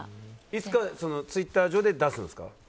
いつかツイッター上で出すんですか？